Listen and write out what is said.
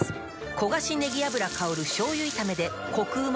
焦がしねぎ油香る醤油炒めでコクうま